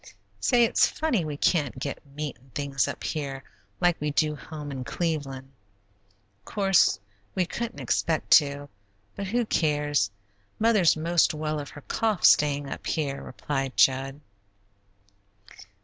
"Say, it's funny we can't get meat and things up here like we do home in Cleveland." "Course, we couldn't expect to, but who cares? Mother's most well of her cough, staying up here," replied Jud.